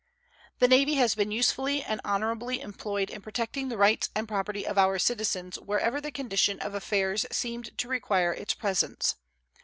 The Navy has been usefully and honorably employed in protecting the rights and property of our citizens wherever the condition of affairs seemed to require its presence.